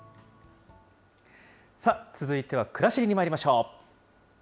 続いては、くらしりにまいりましょう。